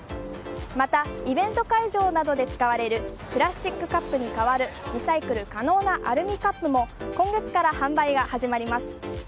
またイベント会場などで使われるプラスチックカップに代わるリサイクル可能なアルミカップも今月から販売が始まります。